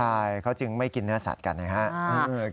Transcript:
ใช่เขาจึงไม่กินเนื้อสัตว์กันนะครับ